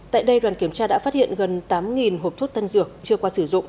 tại đây đoàn kiểm tra đã phát hiện gần tám hộp thuốc tân dược chưa qua sử dụng